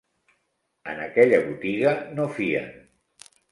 En aquella botiga no fien.